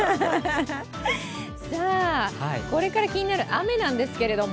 これから気になる雨なんですけれども。